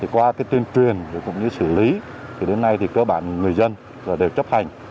qua tuyên truyền cũng như xử lý đến nay thì cơ bản người dân đều chấp hành